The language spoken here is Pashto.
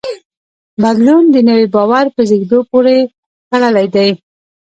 بدلون د نوي باور په زېږېدو پورې تړلی دی.